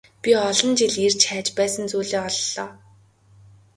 Би олон жил эрж хайж байсан зүйлээ оллоо.